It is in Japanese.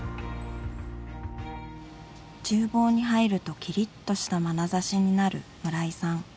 厨房に入るとキリッとした眼差しになる村井さん